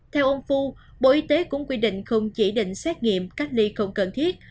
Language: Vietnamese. theo ông phu bộ y tế cũng quy định không chỉ định xét nghiệm cách ly không cần thiết